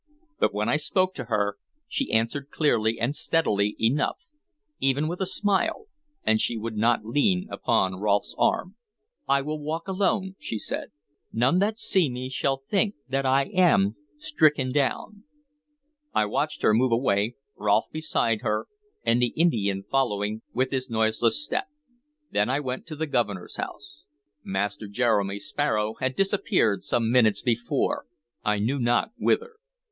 But when I spoke to her she answered clearly and steadily enough, even with a smile, and she would not lean upon Rolfe's arm. "I will walk alone," she said. "None that see me shall think that I am stricken down." I watched her move away, Rolfe beside her, and the Indian following with his noiseless step; then I went to the Governor's house. Master Jeremy Sparrow had disappeared some minutes before, I knew not whither.